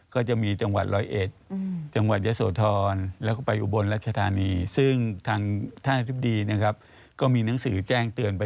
ก็จะมีจังหวัดร้อยเอ็ดจังหวัดยะโสธรแล้วก็ไปอุบลรัชธานีซึ่งทางท่านอธิบดีนะครับก็มีหนังสือแจ้งเตือนไป